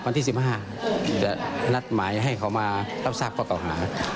วันที่๑๕จะนัดหมายให้เขามารับทราบข้อเก่าหา